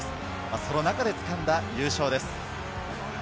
その中でつかんだ優勝です。